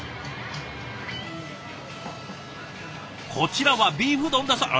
こちらはビーフ丼だそう。